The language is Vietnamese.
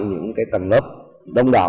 những tầng lớp đông đảo